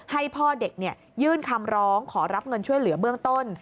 ให้พ่อเด็กยื่นคำร้องขอรับเงินช่วยเหลือเบื้องต้น